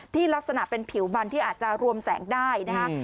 ลักษณะเป็นผิวมันที่อาจจะรวมแสงได้นะคะ